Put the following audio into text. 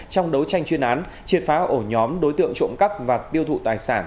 trong đấu tranh chuyên án triệt phá ổ nhóm đối tượng trộm cắp và tiêu thụ tài sản